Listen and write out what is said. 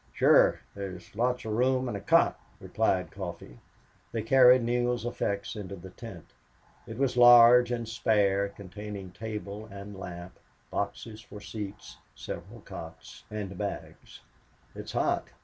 "Sure. There's lots of room and a cot," replied Coffee. They carried Neale's effects inside the tent. It was large and spare, containing table and lamp, boxes for seats, several cots, and bags. "It's hot.